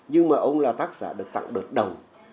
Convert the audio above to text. nhưng mà ông là tác giả được tặng đợt đầu